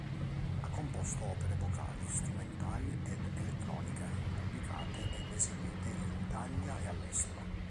Ha composto opere vocali, strumentali ed elettroniche, pubblicate ed eseguite in Italia e all'estero.